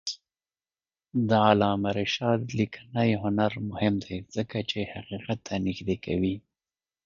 د علامه رشاد لیکنی هنر مهم دی ځکه چې حقیقت ته نږدې کوي.